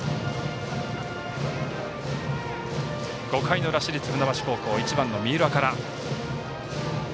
５回の裏、市立船橋高校１番の三浦から。